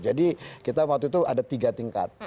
jadi kita waktu itu ada tiga tingkat